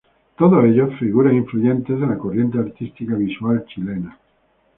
Todos ellos figuras influyentes de la corriente artística visual chilena.